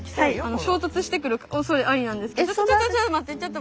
衝突してくるおそれありなんですけど。